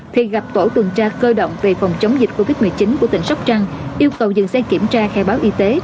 thì gặp tổ tuần tra cơ động về phòng chống dịch covid một mươi chín của tỉnh sóc trăng yêu cầu dừng xe kiểm tra khai báo y tế